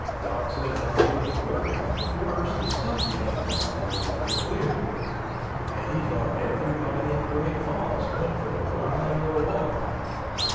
Doc said while he was working on the corpse the sun came out and the weather cleared and he thought everybody in Great Falls went for a ride or walk.